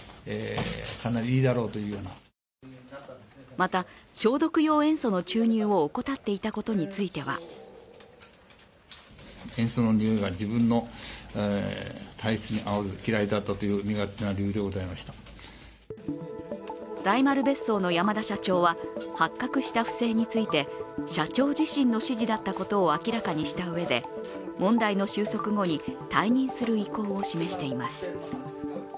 また、消毒用塩素の注入を怠っていたことについては大丸別荘の山田社長は発覚した不正について社長自身の指示だったことを明らかにしたうえで、問題の収束後に退任する意向を示しています。